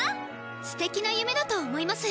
ステキな夢だと思います。